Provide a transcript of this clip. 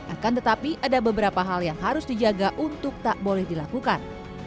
akan tetapi ada beberapa hal yang harus dijaga untuk tak boleh dilakukan